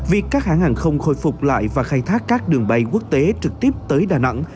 việc các hãng hàng không khôi phục lại và khai thác các đường bay quốc tế trực tiếp tới đà nẵng